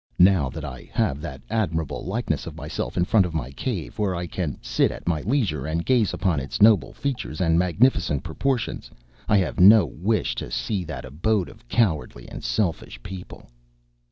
Now that I have that admirable likeness of myself in front of my cave, where I can sit at my leisure, and gaze upon its noble features and magnificent proportions, I have no wish to see that abode of cowardly and selfish people."